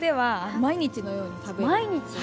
毎日？